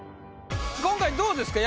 今回どうですか？